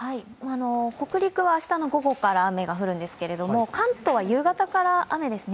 北陸は明日の午後から雨が降るんですけれども関東は夕方から雨ですね。